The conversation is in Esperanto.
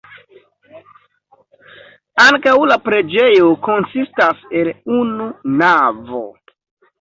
Ankaŭ la preĝejo konsistas el unu navo.